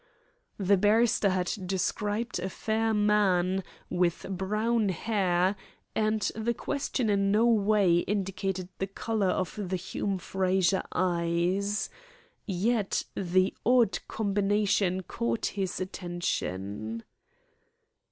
The barrister had described a fair man, with brown hair; and the question in no way indicated the colour of the Hume Frazer eyes. Yet the odd combination caught his attention.